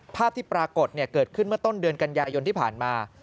ภาพที่ปรากฏเกิดขึ้นเมื่อต้นเดือนกันยายนที่ผ่านมา